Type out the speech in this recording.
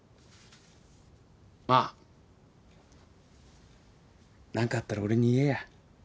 まあ何かあったら俺に言えや。